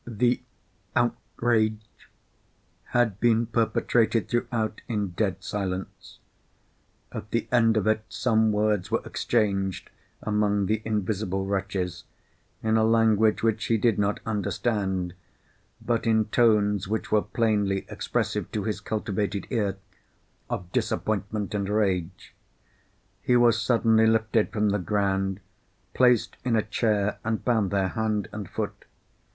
The outrage had been perpetrated throughout in dead silence. At the end of it some words were exchanged, among the invisible wretches, in a language which he did not understand, but in tones which were plainly expressive (to his cultivated ear) of disappointment and rage. He was suddenly lifted from the ground, placed in a chair, and bound there hand and foot.